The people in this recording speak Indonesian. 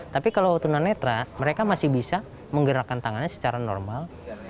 tapi kalau tunanetra mereka masih bisa menggerakkan tangannya secara normal